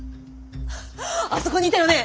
あそこにいたよね！